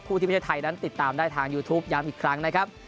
ที่ประเทศไทยนั้นติดตามได้ทางยูทูปย้ำอีกครั้งนะครับ